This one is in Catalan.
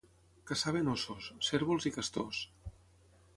Caçaven óssos, cérvols i castors.